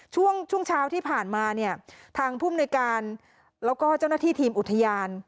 ช่วงช่วงเช้าที่ผ่านมาเนี่ยทางภูมิในการแล้วก็เจ้าหน้าที่ทีมอุทยาน